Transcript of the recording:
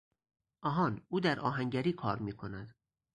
آهان! او در آهنگری کار میکند.